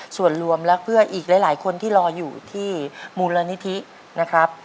ส่วนรวมและเพื่ออีกหลายคนที่รออยู่ที่มูลนิธินะครับ